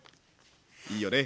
いいよね。